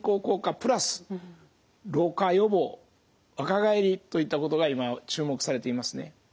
プラス老化予防若返りといったことが今注目されていますね。